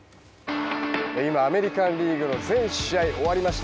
今、アメリカン・リーグの全試合が終わりました。